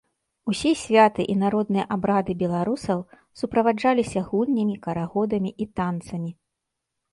Усе святы і народныя абрады беларусаў суправаджаліся гульнямі, карагодамі і танцамі.